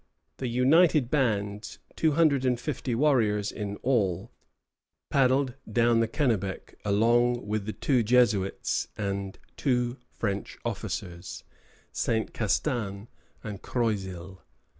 The united bands, two hundred and fifty warriors in all, paddled down the Kennebec along with the two Jesuits and two French officers, Saint Castin and Croisil.